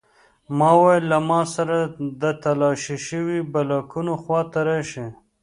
ما وویل له ما سره د تالاشي شویو بلاکونو خواته راشئ